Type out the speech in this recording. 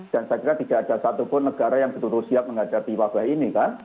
dan saya kira tidak ada satu pun negara yang betul betul siap mengajar di wabah ini kan